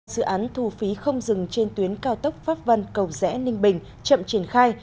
dự án thu phí không dừng trên tuyến cao tốc pháp vân cầu rẽ ninh bình chậm triển khai